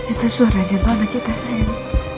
itu suara jantung anak kita sayang